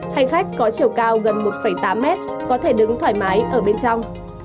hành khách có chiều cao gần một tám mét có thể đứng thoải mái ở bên trong